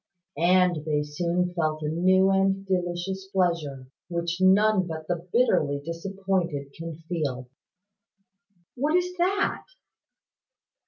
And they soon felt a new and delicious pleasure, which none but the bitterly disappointed can feel." "What is that?"